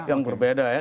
yang berbeda ya